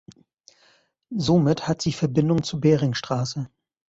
Somit hat sie Verbindung zur Beringstraße.